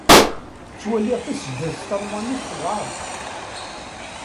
Ttwaliɣ taseddast talmanit tewɛeṛ.